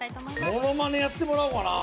ものまねやってもらおうかな